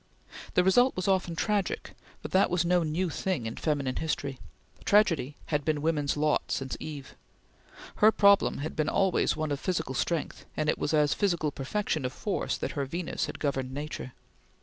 The result was often tragic, but that was no new thing in feminine history. Tragedy had been woman's lot since Eve. Her problem had been always one of physical strength and it was as physical perfection of force that her Venus had governed nature.